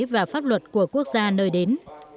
và pháp luật của quốc gia nơi đến